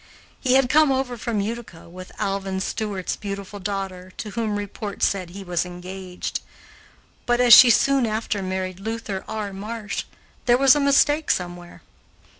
He had come over from Utica with Alvin Stewart's beautiful daughter, to whom report said he was engaged; but, as she soon after married Luther R. Marsh, there was a mistake somewhere.